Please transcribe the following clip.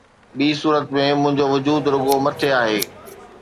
ٻي صورت ۾ منهنجو وجود رڳو مٽي آهي.